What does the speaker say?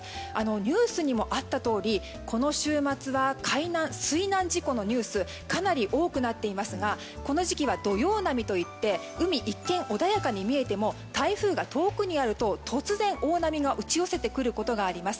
ニュースにもあったとおりこの週末は水難事故のニュースかなり多くなっていますがこの時期は土用波といって海は一見穏やかに見えても台風が遠くにあると突然、大波が打ち寄せてくることがあります。